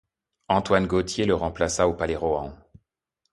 Antoine Gautier le remplaça au Palais-Rohan.